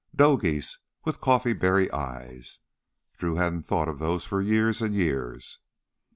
Dough geese with coffee berry eyes; Drew hadn't thought of those for years and years.